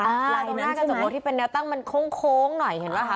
ลายตรงหน้ากระจกรถที่เป็นแนวตั้งมันโค้งหน่อยเห็นป่ะค